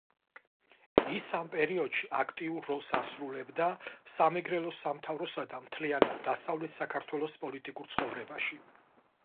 ის ამ პერიოდში აქტიურ როლს ასრულებდა სამეგრელოს სამთავროსა და მთლიანად დასავლეთ საქართველოს პოლიტიკურ ცხოვრებაში.